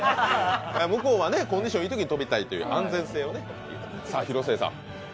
向こうはコンディションのいいときに飛びたいという安全性をね。